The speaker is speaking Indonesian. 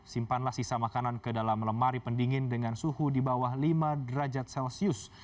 simpanlah sisa makanan ke dalam lemari pendingin dengan suhu di bawah lima derajat celcius